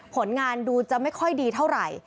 ผลงานดูจะไม่ค่อยดีเท่าไหร่